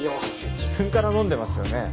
自分から飲んでますよね。